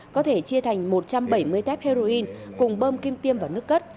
có thể chia thành một trăm bảy mươi tep heroin cùng bơm kim tiêm vào nước cất